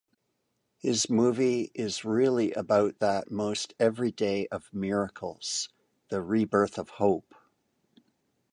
His movie is really about that most everyday of miracles: the rebirth of hope.